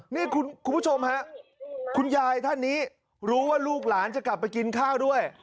นี่คุณผู้ชมฮะคุณยายท่านนี้รู้ว่าลูกหลานจะกลับไปกินข้าวด้วย